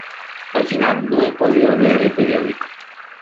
Al final no he podido leer el periódico.